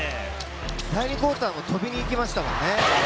第２クオーターも跳びに行きましたもんね。